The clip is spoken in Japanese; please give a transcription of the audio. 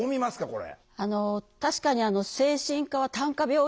これ。